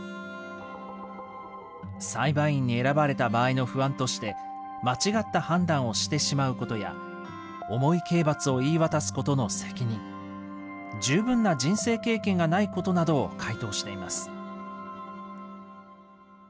裁判員に選ばれた場合の不安として、間違った判断をしてしまうことや、重い刑罰を言い渡すことの責任、十分な人生経験がないことなどを回答しています。